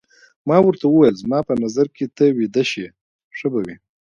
ما ورته وویل: زما په نظر که ته ویده شې ښه به وي.